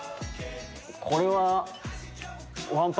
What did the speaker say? これは。